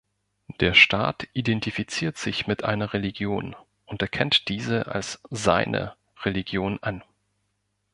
Der Staat identifiziert sich mit einer Religion und erkennt diese als „seine“ Religion an.